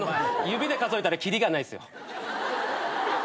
指で数えたらきりがないっすよ。